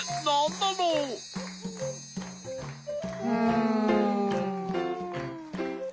うん。